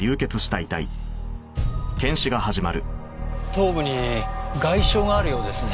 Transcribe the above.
頭部に外傷があるようですね。